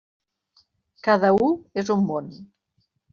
Cada u és un món.